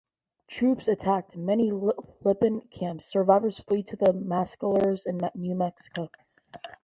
Troops attacked many Lipan camps; survivors flee to the Mescaleros in New Mexico.